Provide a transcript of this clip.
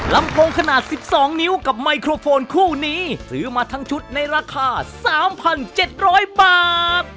ลำโพงขนาด๑๒นิ้วกับไมโครโฟนคู่นี้ซื้อมาทั้งชุดในราคา๓๗๐๐บาท